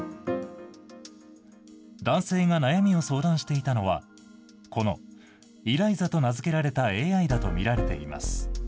男性が悩みを相談していたのは、このイライザと名付けられたＡＩだと見られています。